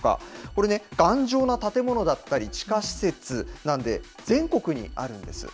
これね、頑丈な建物だったり、地下施設なんで、全国にあるんです。